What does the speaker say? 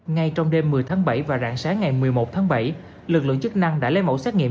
ngay trong đêm một mươi tháng bảy và rạng sáng ngày một mươi một tháng bảy lực lượng chức năng đã lấy mẫu xét nghiệm